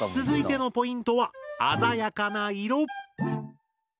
続いてのポイントは鮮やかな色！